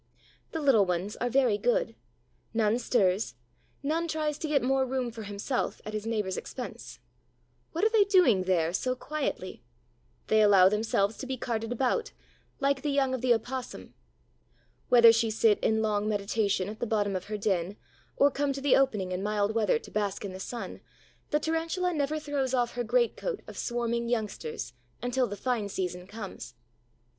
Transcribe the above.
The little ones are very good: none stirs, none tries to get more room for himself at his neighbor's expense. What are they doing there, so quietly? They allow themselves to be carted about, like the young of the Opossum. Whether she sit in long meditation at the bottom of her den, or come to the opening, in mild weather, to bask in the sun, the Tarantula never throws off her greatcoat of swarming youngsters until the fine season comes.